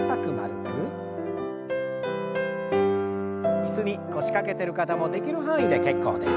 椅子に腰掛けてる方もできる範囲で結構です。